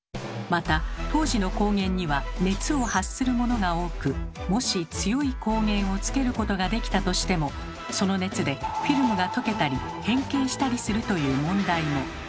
また当時の光源には熱を発するものが多くもし強い光源をつけることができたとしてもその熱でフィルムが溶けたり変形したりするという問題も。